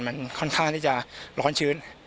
มันค่อนข้างที่จะร้อนชื้น